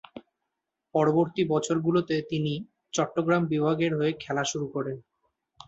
পরবর্তী বছরগুলোতে তিনি চট্টগ্রাম বিভাগের হয়ে খেলা শুরু করেন।